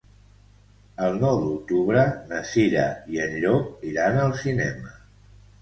El nou d'octubre na Cira i en Llop iran al cinema.